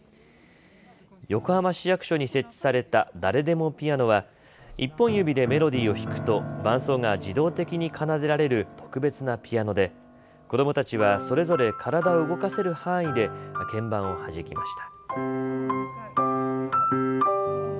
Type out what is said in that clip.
横浜市役所に設置されただれでもピアノは１本指でメロディーを弾くと伴奏が自動的に奏でられる特別なピアノで子どもたちはそれぞれ体を動かせる範囲で鍵盤を弾きました。